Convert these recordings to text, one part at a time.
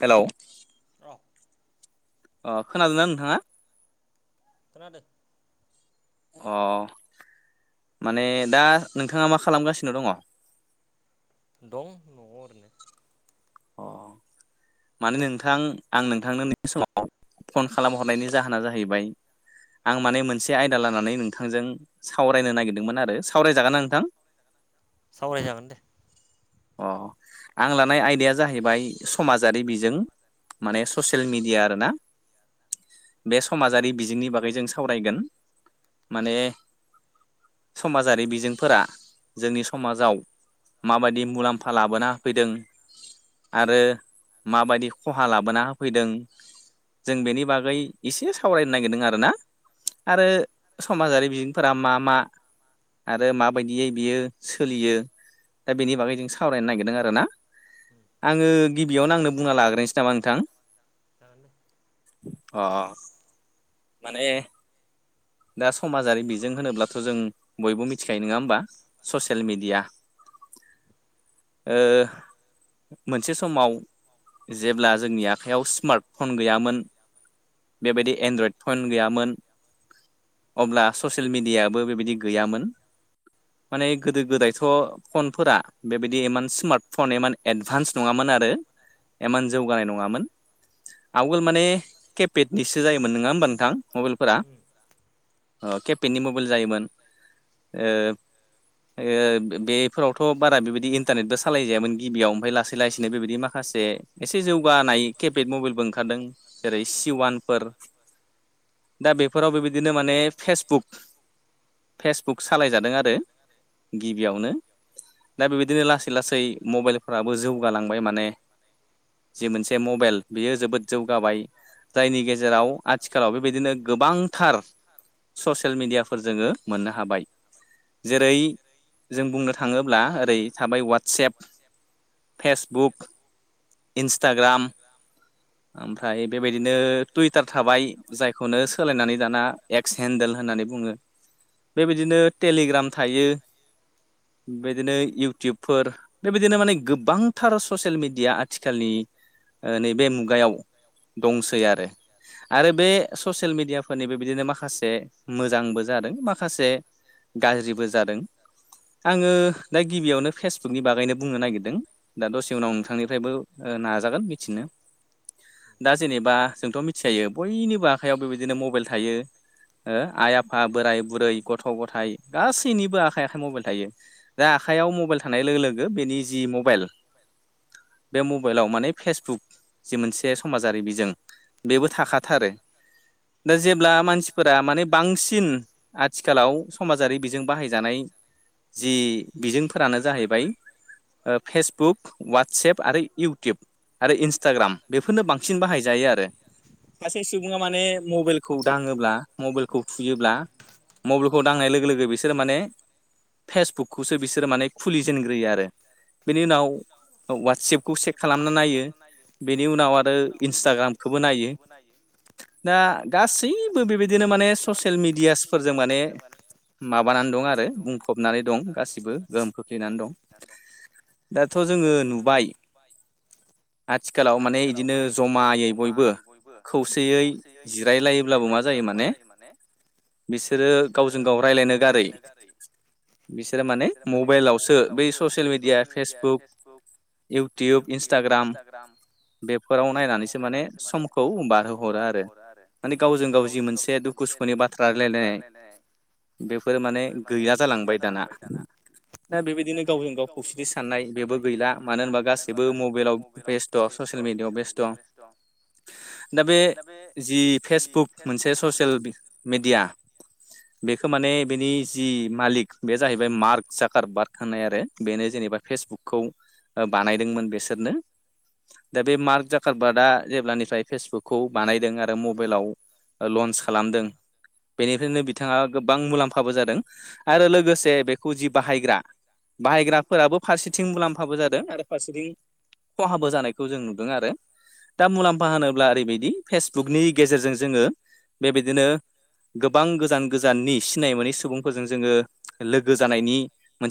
Hello र'। अ खोनादोंना नोंथाङा? खोनादों। अ माने दा नोंथाङा मा खालामगासिनो दङ? दं न'आव ओरैनो। अ माने नोंथां आं नोंथांनो ननि समाव फन खालामहरनायनि जाहोना जाहैबाय आं माने मोनसे आयदा लानानै नोंथांजों सावरायनो नागिरदोंमोन आरो सावरायजागोन ना नोंथां। [unintelligible] सावरायजागोन दे अ आं लानाय आइदाया जाहैबाय समाजारि बिजों माने ससियेल मिडिया आरोना बे समाजारि बिजोंनि बागै जों सावरायगोन माने समाजारि बिजोंफोरा जोंनि समाजाव‌ माबायदि मुलाम्फा लाबोना होफैदों। आरो माबायदि खहा लाबोना होफैदों जों बेनि बागै एसे सावरायनो नागिरदों आरो ना आरो समाजारि बिजोंफोरा मा मा आरो माबायदियै बियो सोलियो दा बेनि बागै जों सावरायनो नागिरदों आरो ना। आङो गिबियावनो आंनो बुंना लाग्रोनोसै नामा नोंथां जागोन दे। अ माने दा समाजारि बिजों होनोब्लाथ' जों बयबो मिथिखायो नङा होमबा। ससियेल मिडिया ओ मोनसे समाव जेब्ला जोंनि आखाइयाव स्मार्ट फन गैयामोन बेबायदि एनड्रइड फन गैयामोन। अब्ला ससियेल मिडियाबो बेबायदि गैयामोन। माने गोदो गोदायथ' फनफोरा बेबायदि इमान स्मार्ट फन एमान एडभान्स नङामोन आरो इमान जौगानाय नङामोन। आवगोल माने केपेडनिसो जायोमोन नङा होमबा नोंथां मबाइलफोरा। उम अ केपेनि मबाइल जायोमोन। बेफोरावथ' बारा बेबायदि इन्टारनेटबो सालायजायामोन। गिबियाव ओमफ्राय लासै लासैनो बेबायदि माखासे एसे जौगानाय केपेड मबाइलबो ओंखारदों। जेरै सि वानफोर दा बेफोराव बेबायदिनो माने फेसबुक फेसबुक सालायजादों आरो गिबियावनो दा बेबायदिनो लासै लासै मबाइलफोराबो जौगालांबाय माने। जि मोनसे मबाइल बियो जोबोद जौगाबाय। जायनि गेजेराव आथिखालाव बेबायदिनो गोबांथार ससियेल मिडियाफोर जोङो मोननो हाबाय। जेरै जों बुंनो थाङोब्ला ओरै थाबाय वाटसेएप अवासेप फेसबुक इन्सटाग्राम ओमफ्राय बेबायदिनो टुइटार थाबाय। जायखौनो सोलायनानै दाना एक्स हेडेल होननानै बुङो। बेबायदिनो टेलिग्राम थायो बेदिनो इउटुबफोर बेबायदिनो माने गोबांथार ससियेल मिडिया आथिखालनि नैबे मुगायाव दंसै आरो। आरो बे ससियेल मिडियाफोरनिबो बिदिनो माखासे मोजांबो जादों माखासे गाज्रिबो जादों। आङो दा गिबियावनो फेसबुकनि बागैनो बुंनो नागिरदों दा दसे उनाव नोंथांनिफ्रायबो नाजागोन मिथिनो दा जेनेबा जोंथ' मिथिखायो बयनिबो आखाइयाव बेबायदिनो मबाइल थायो। आइ आफा बोराइ बुरै गथ' गथाय गासैनिबो आखाइ आखाइ मबाइल थायो। दा आखयाव मबाइल थानाय लोगो लोगो बेनि जि मबाइल बे मबाइलाव माने फेसबुक जि मोनसे समाजारि बिजों बेबो थाखाथारो दा जेब्ला मानसिफोरा माने बांसिन आथिखालाव समाजारि बिजों बाहायजानाय जि बिजोंफोरानो जाहैबाय फेसबुक वाट्सएप आरो इउटिुब आरो इन्सटाग्राम बेफोरनो बांसिन बाहायजायो आरो सासे सुबुङा माने मबाइलखौ दाङोब्ला मबाइलखौ फुयोब्ला मबाइलखौ दांनाय लोगो लोगो बिसोर माने फेसबुकखौसो बिसोरो माने खुलिजेनग्रोयो आरो बेनि उनाव ववाट्सेपखौ चेक खालामना नायो बेनि उनाव आरो इन्सटाग्राम इन्सटाग्रामखौबो नायो दा गासैबो बेबायदिनो माने ससियेल मिेडियासफोरजों माने। माबानानै दं आरो बुंफबनानै दं गासिबो गोहोम खोख्लैनानै दं दाथ' जोङो नुबाय आथिखालाव माने बिदिनो जमायै बयबो खौसेयै जिरायलायोब्लाबो मा जायो माने माने बिसोरो गावजों गाव रायज्लायनो गारै बिसोरो माने मबाइलावसो बै social media Facebook YouTube Instagram बेफोराव नायनानैसो माने समखौ बारहोहरो आरो माने गावजों गाव जि मोनसे दुखु सुखुनि बाथ्रा। राय्लायनाय बेफोर माने गैया जालांबाय दाना दा बेबायदिनो गावजों गाव फख्रि साननाय बेबो गैला मानो होनबा गासैबो मबाइलाव बेस्थ' ससियेल मिडियाआव बेस्ट खथ' दा बे जि फेसबुक मोनसे ससियेल मेडिया। गया बेखौ माने बेनि जि मालिक बे जाहैबाय मार्क सकार बारखांय आरो आरो बेनो जेनेबा फेसबुकखौ बानायदोंमोन बेसोरनो दा बे मार्क जाखारबतआ जेब्लानिफ्राय फेसबुकखौ बानायदों आरो मबाइलाव लन्स खालामदों। बेनिफ्रायनो बिथाङा गोबां मुलाम्फाबो जादों आरो लोगोसे बेखौ जि बाहायग्रा बाहायग्राफोराबो फारसेथिं मुलाम्फाबो जादों आरो फारसेथिं खहाबो जानायखौ जों नुदों आरो दा मुलाम्फा होनोब्ला ओरैबायदि फेसबुकनि गेजेरजों जोङो बेबायदिनो गोबां गोजान गोजाननि सिनाय मोनै सुबुंफोरजों जोङो लोगो जानायनि।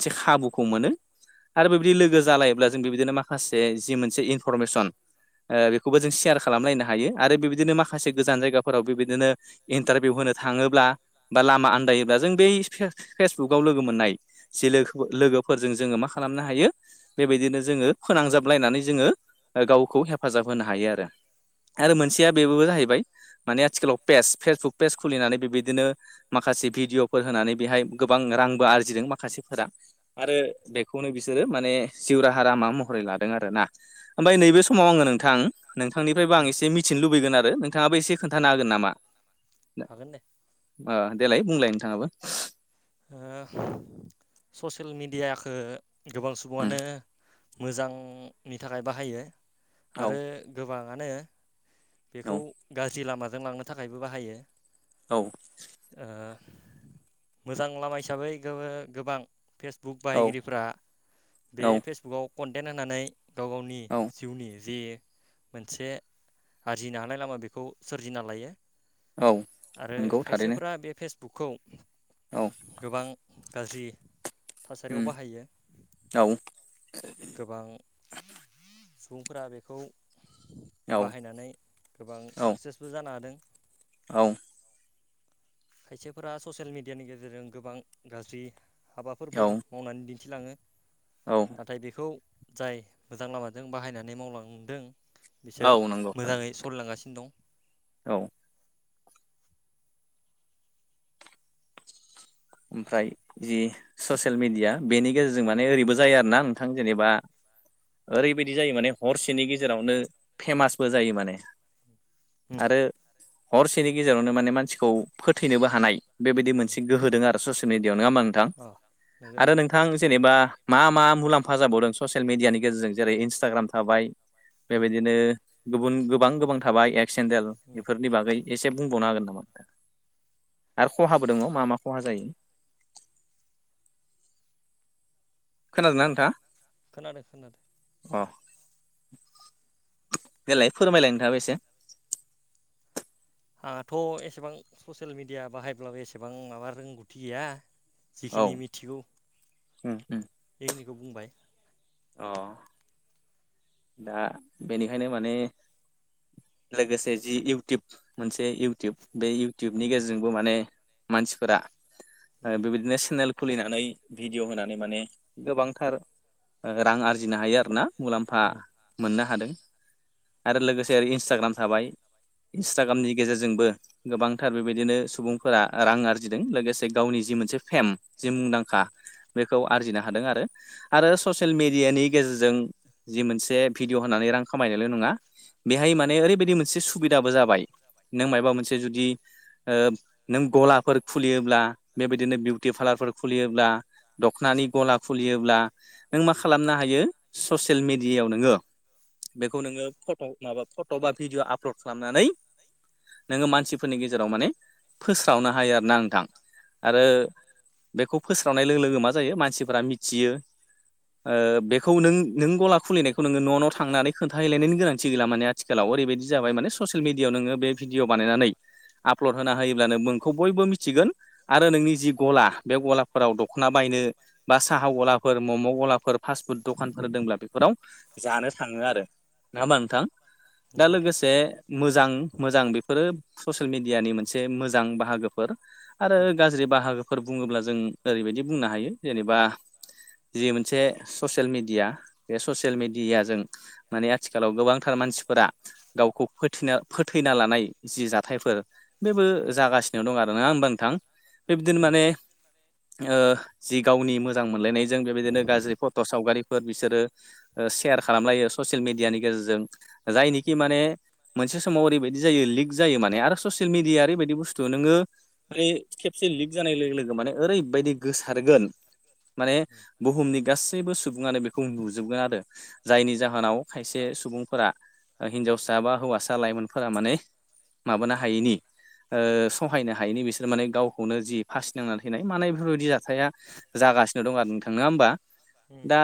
मोनसे खाबुखौ मोनो आरो बेबायदि लोगो जालायोब्ला जों बेबायदिनो माखासे जि मोनसे इनफरमेसन बेखौबो जों सेयार खालामलायनो हायो आरो बेबायदिनो माखासे गोजान जायगाफोराव बेबायदिनो। इन्टारभिउ होनो थाङोब्ला बा लामा आन्दायोब्ला जों बै फेसबुकाव लोगो मोननाय ज लोगो लोगोफोरजों जोङो मा खालामनो हायो बेबायदिनो जोङो फोनांजाब लायनानै जोङो गावखौ हेफाजाब होनो हायो आरो आरो मोनसेया बेबो जाहैबाय माने आथिखालाव पेज फेसबुक पेज खुलिनानै बेबायदिनो माखासे भिडिअ'फोर होनानै बेहाय गोबां रांबो आरजिदों माखासेफोरा। आरो बेखौनो बिसोरो माने जिशव राहा लामा महरै लादों आरो ना ओमफफ्राय नैबे समाव आङो नोंथां नोंथांनिफ्रायबो उम आं एसे मिथिनो लुबैगोन आरो नोंथाङाबो एसे खोन्थानो हागोन नामा? हागोन दे। ओ देलाय बुंलाय नोंथाङाबो। ओ ससियेल मेडियाखो गोबां उम सुबुङानो मोजां नि थाखाय बाहायो औ आरो गोबाङानो बेखौ औ गाज्रि लामाजों लांनो थाखायबो बाहायो। औ। ओ मोजां लामा हिसाबै गो गोबां फेसबुक बाहायगिरिफ्रा बे औ फेसबुकाव कनटेन्ट होनानै गाव गाव नि औ जिउनि जे मोनसे आरजिनो हानाय लामा बेखौ सोरजिना लायो औ आरो नंगौ थारैनो खायसेफ्रा बे फेस बुखौ औ। गोबां गाज्रि थासारियाव उम बाहायो। औ गोबां सुबुंफोरा बेखौ औ बाहायनानै गोबां साक्सेसबो जानो हादों। औ। खायसेफोरा ससियेल मिडियानि गेजेरजों गोबां गाज्रि हाबाफोरबो औ मावनानै दिन्थिलाङो। औ। थाय बेखौ जाय मोजां लामाजों बाहायनानै मावलांदों बिसोर औ नंगौ मोजाङै थारैनो सलिलांगासिनो दं। औ ओमफ्राय जि ससियेल मिडिया बेनि गेजेरजों माने ओरैबो जायो आरो ना नोंथां जेनेबा ओरैबायदि जायो माने हरसेनि गेजेरावनो फेमासबो जायो माने। उम आरो हरसेनि गेजेरावनो माने मानसिखौ फोथैनोबो हानाय बेबायदि उम मोनसे गोहोदों आरो ससियेल मिडियाआव नङा होमबा नोंथां अ नंगौ आरो नों थां जेनेबा मा मा मुलाम्फा जाबावदों ससियेल मिडियानि गेजेरजों जेरै इन्सटाग्राम थाबाय। उम बेबायदिनो गुबुन गोबां गोबां थाबाय एक्स हेन्देल उम बेफोरनि बागै एसे बुंबावनो हागोन नामा नोंथां आरो खहाबो दङ' मा मा खहा जायो? खोनादों ना नोंथा? खोनादों खोनादों। अ देलाय फोरमायलाय नोंथाङाबो एसे। आंहाथ' एसेबां ससियेल मिडिया बाहायब्लाबो एसेबां माबा रोंगौथि गैया। औ जिखिनि मिथिगौ उम बेखिनिखौ बुंबाय। अह। दा बेनिखायनो माने लोगोसे जि इउटुब मोनसे इउटुब बे इउटुबनि गेजेरजोंबो माने मानसिफोरा ओ उम बेबायदिनो चेनेल खुलिनानै भिडिअ' होनानै माने गोबांथार ओ रां आरजिनो हायो आरोना। मुलाम्फा उम मोननो हादों आरो लोगोसे इन्सटाग्राम थाबाय। इन्सटाग्राम इन्सटाग्रामनि गेजेरजोंबो गोबांथार बेबायदिनो उम सुबुंफोरा रां आरजिदों लोगोसे गावनि जि मोनसे फेम जे मुंदांखा उम बेखौ आरजिनो हादों आरो आरो ससियेल मिडियानि गेजेरजों जि मोनस से भिडिअ' होनानै रां खामायनायल' नङा। बेहाय माने ओरैबायदि मोनसे सुबिदाबो जाबाय नों मायबा मोनसे जुदि ओ नों गलाफोर खुलियोब्ला बेबायदिनो बिउटि पार्लारफोर खुलियोब्ला दख'नानि गला खुलियोब्ला नों मा खालामनो हायो ससियेल मिडियायावनो नोङो बेखौ नोङो फट' माबा फट' बा भिडिअ' आपलड खालामनानै नोङो मानसिफोरनि गेजेराव माने फोस्रावनो हायो आरोना नोंथां उम आरो बेखौ फोस्रावनाय लोगो लोगो मा जायो मानसिफोरा मिथियो। ओ बेखौ नों नों गला खुलिनायखौ नोङो न' न' थांनानै खोनथाहैलायनायनि गोनांथि गैला माने आथिखालाव ओरैबायदि जाबाय उम माने ससियेल मिडियाआव नोङो बे भिडिअ' बानायनानै आपलड होना होयोब्लानो नोंखौ बयबो मिथिगोन। आरो नोंनि जि गला बे गलाफोराव दख'ना बायनो बा साहा गलाफोर मम' गलाफोर फास्ट फुद दखानफोर दोङोब्ला बेफोराव जानो थाङो आरो नङा होमबा नोंथां दा नंगौ लोगोसे मोजां मोजां बेफोरो ससियेल मेडियानि मोनसे मोजां बाहागोफोर। आरो उम गाज्रि बाहागोफोर बुङोब्ला जों ओरैबायदि बुंनो हायो जेनेबा जि मोनसे ससियेल मिडिया बे ससियेल मिडियाजों माने आथिखालाव गोबांथार मानसिफोरा गावखौ फोथिना फोथैना लानाय जि जाथायफोर बेबो उम जागासिनो दं आरोना होमबा नोंथां बेबदिनो उम माने ओ जि गावनि मोजां मोनलायनायजों बेबायदिनो गाज्रि फट' सावगारिफोर बिसोरो ओ सेयार खालामलायो ससियेल मिडियानि गेजेरजों जायनिखि उम माने मोनसे समाव ओरैबायदि जायो लिक जायो माने आरो ससियेल मिडिया ओरैबायदि बुस्थु नोङो माने खेबसे लिक जानाय लोगो लोगो माने ओरैबायदि गोसारगोन माने उम बुहुमनि गासैबो सुबुङानो बेखौ नुजोबगोन आरो। जायनि जाहोनाव खायसे सुबुंफोरा हिनजावसा बा हौवासा लाइमोनफोरा माने माबानो हायैनि ओ सहायनो हायिनि बिसोर माने गावखौनो जि फासि नांना थैनाय माने बेफोरबायदि जाथाया जागासिनो दं आरो नोंथां नोङा होमबा उम दा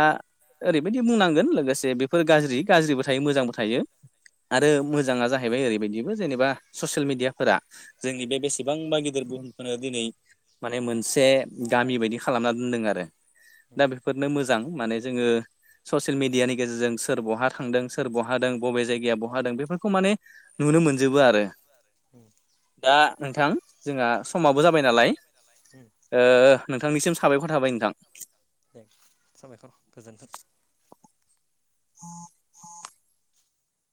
ओरैबायदि बुंनांगोन लोगोसे बेफोर गाज्रि गाज्रिबो थायो मोजांबो थायो। उम आरो मोजाङा जाहैबाय ओरैबायदिबो जेनेबा ससियेल मिडियाफोरा जोंनि बे बेसेबांबा गिदिर बुहुमखौनो दिनै माने मोनसे गामि बायदि खालामना दोनदों आरो। दा बेफोरनो मोजां माने जोङो ससियेल मिडियानि गेजेरजों सोर बहा थांदों सोर बहा दों बबे जायगाया बहा दों बेफोरखौ माने नुनो मोनजोबो आरो। उम दा नोंथां जोंहा समाबो जाबाय नालाय उम ओ नोंथांनिसिम साबायखर थाबाय नोंथां। दे। साबायखर गोजोन्थों। [inaudible]